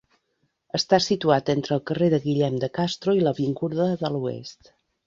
Està situat entre el carrer de Guillem de Castro i l'avinguda de l'Oest.